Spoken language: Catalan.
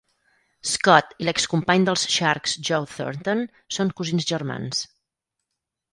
Scott i l'excompany dels Sharks Joe Thornton són cosins germans.